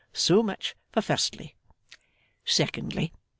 So much for firstly. Secondly.